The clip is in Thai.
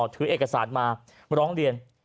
ถือเอกสารมาร้องเรียน